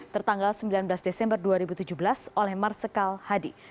tertanggal sembilan belas desember dua ribu tujuh belas oleh marsikal hadi